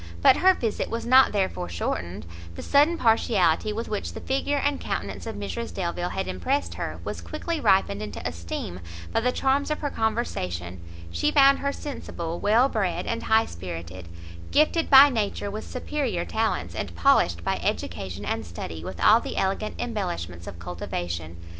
But her visit was not therefore shortened; the sudden partiality with which the figure and countenance of Mrs Delvile had impressed her, was quickly ripened into esteem by the charms of her conversation: she found her sensible, well bred, and high spirited, gifted by nature with superior talents, and polished by education and study with all the elegant embellishments of cultivation.